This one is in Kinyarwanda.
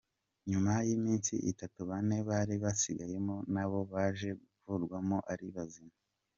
Nyuma y’iminsi itatu bane bari basigayemo na bo baje gukurwamo ari bazima.